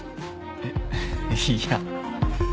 えっいや。